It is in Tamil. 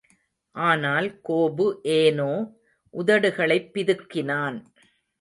ஆனால், கோபு ஏனோ உதடுகளைப் பிதுக்கினான்.